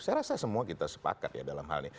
saya rasa semua kita sepakat ya dalam hal ini